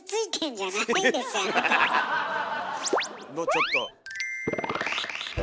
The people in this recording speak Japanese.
ちょっと。